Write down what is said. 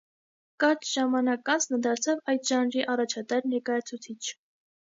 Կարճ ժամանակ անց նա դարձավ այդ ժանրի առաջատար ներկայացուցիչ։